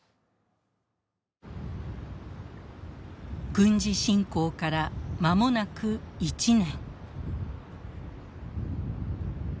軍事侵攻から間もなく１年。